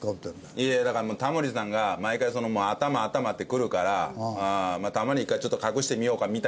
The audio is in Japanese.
いやだからタモリさんが毎回「頭頭」ってくるからたまには一回ちょっと隠してみようかみたいな事ですよ。